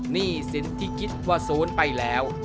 หนี้สินที่คิดว่าศูนย์ไปแล้ว